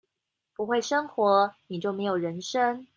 不會生活，你就沒有人生